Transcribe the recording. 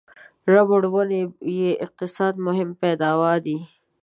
ربړ ونې یې اقتصادي مهم پیداوا دي.